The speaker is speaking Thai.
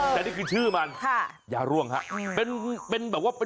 แต่นี่คือชื่อมันยาร่วงฮะ